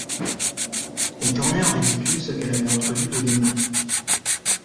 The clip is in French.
Elle tournait en ridicule ce qu'elle avait entrevu de l'émeute.